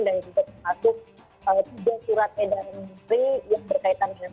dan juga termasuk tiga surat edaran industri yang berkaitan dengan